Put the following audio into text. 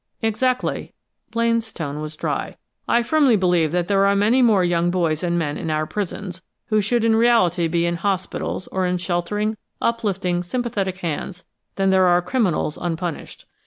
"Exactly." Blaine's tone was dry. "I firmly believe that there are many more young boys and men in our prisons, who should in reality be in hospitals, or in sheltering, uplifting, sympathetic hands, than there are criminals unpunished.